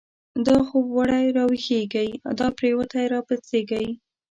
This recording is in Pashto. دا خوب و ړی را ویښیږی، دا پریوتی را پاڅیږی